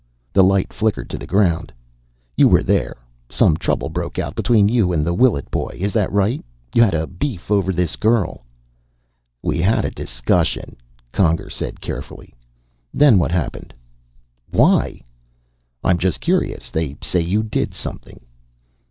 The light flickered to the ground. "You were there. Some trouble broke out between you and the Willet boy. Is that right? You had a beef over his girl " "We had a discussion," Conger said carefully. "Then what happened?" "Why?" "I'm just curious. They say you did something."